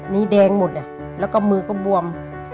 นี่แดงหมดแล้วก็มือก็บวม